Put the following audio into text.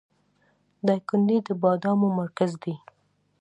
دایکنډي د بادامو مرکز دی